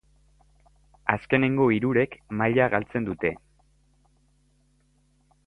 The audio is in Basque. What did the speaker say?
Azkenengo hirurek maila galtzen dute.